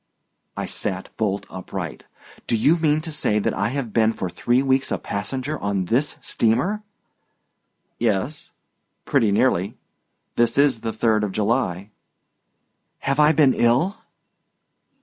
I sat bolt upright. "Do you mean to say that I have been for three weeks a passenger on this steamer?" "Yes, pretty nearly; this is the 3d of July." "Have I been ill?"